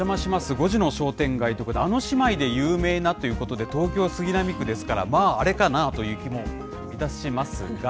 ５時の商店街ということで、あの姉妹で有名なということで、東京・杉並区ですから、また、あれかなという気もいたしますが。